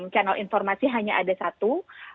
channel informasi hanya ada satu